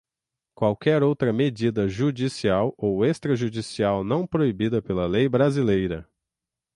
qualquer outra medida judicial ou extrajudicial não proibida pela lei brasileira.